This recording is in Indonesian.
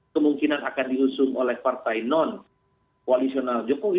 kemungkinan akan diusung oleh partai non koalisional jokowi